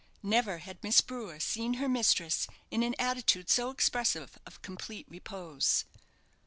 Never had Miss Brewer seen her mistress in an attitude so expressive of complete repose.